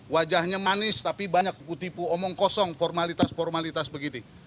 wajahnya manis tapi banyak tipu tipu omong kosong formalitas formalitas begitu